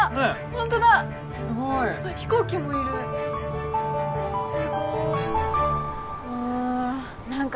ホントだすごい飛行機もいるホントだすごいあ何か